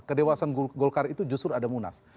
kedewasan golkar itu justru ada munas